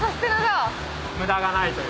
無駄がないという。